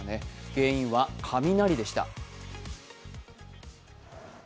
原因は雷でした。